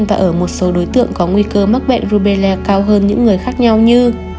và ở một số đối tượng có nguy cơ mắc bệnh rubella cao hơn những người khác nhau như